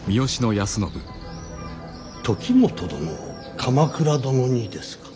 時元殿を鎌倉殿にですか。